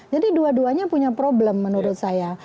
jadi dua duanya punya problem menurut saya